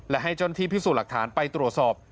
และให้เจ้าหน้าที่พิสูจน์หลักฐานไปตรวจสอบ